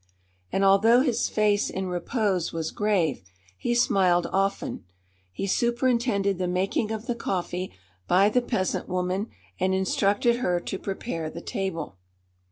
And although his face in repose was grave, he smiled often. He superintended the making of the coffee by the peasant woman and instructed her to prepare the table.